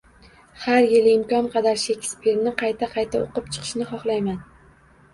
Har yili imkon qadar Shekspirni qayta-qayta o‘qib chiqishni xohlayman.